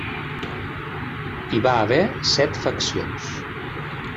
Hi va haver set faccions.